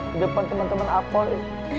ke depan teman teman apoi